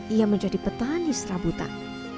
ia menjadi petani serabutan